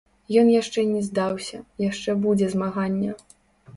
Ён яшчэ не здаўся, яшчэ будзе змаганне.